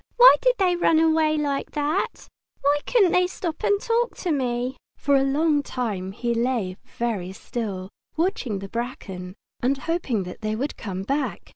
"Why did they run away like that? Why couldn't they stop and talk to me?" For a long time he lay very still, watching the bracken, and hoping that they would come back.